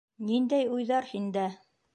Ниндәй уйҙар һиндә?